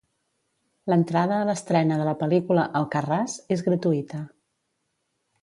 L'entrada a l'estrena de la pel·lícula "Alcarràs" és gratuïta.